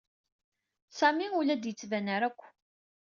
Sami ur la d-yettban ara akk.